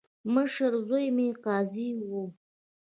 مشر زوی مې قاضي وو.